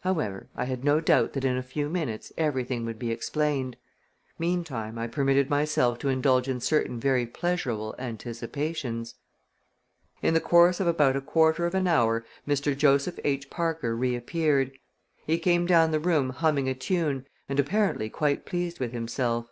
However, I had no doubt that in a few minutes everything would be explained. Meantime I permitted myself to indulge in certain very pleasurable anticipations. In the course of about a quarter of an hour Mr. Joseph H. Parker reappeared. He came down the room humming a tune and apparently quite pleased with himself.